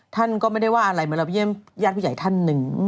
ท่านก็ไม่ได้ว่าอะไรเหมือนเราไปเยี่ยมญาติผู้ใหญ่ท่านหนึ่ง